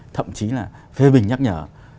thậm chí là phê bình nhắc nhở